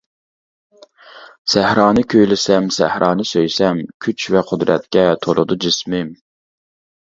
سەھرانى كۈيلىسەم، سەھرانى سۆيسەم، كۈچ ۋە قۇدرەتكە تولىدۇ جىسمىم.